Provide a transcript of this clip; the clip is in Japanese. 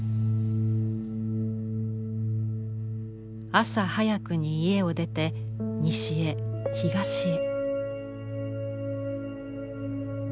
朝早くに家を出て西へ東へ。